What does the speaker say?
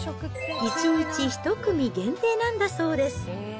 １日１組限定なんだそうです。